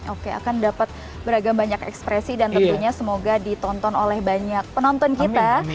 oke akan dapat beragam banyak ekspresi dan tentunya semoga ditonton oleh banyak penonton kita